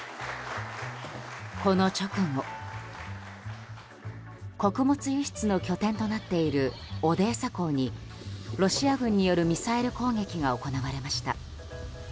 この直後穀物輸出の拠点となっているオデーサ港に、ロシア軍によるミサイル攻撃が行われました。